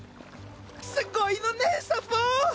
すごいのねんサフォー！